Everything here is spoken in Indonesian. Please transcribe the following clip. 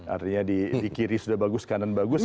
artinya di kiri sudah bagus kanan bagus